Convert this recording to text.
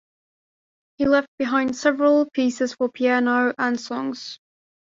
He left behind several pieces for piano and songs.